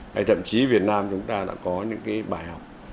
hay thậm chí việt nam chúng ta đã có những cái bài học